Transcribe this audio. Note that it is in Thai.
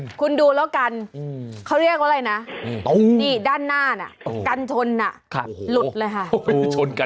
คุณค่ะคุณดูแล้วกันเขาเรียกว่าอะไรนะเงี่ยด้านหน้ากัญชนถลุดเลยค่ะ